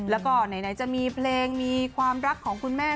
แล้วก็ไหนจะมีเพลงมีความรักของคุณแม่